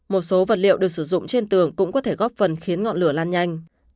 một số vật liệu được sử dụng trên tường cũng có thể góp phần khiến ngọn lửa lan nhanh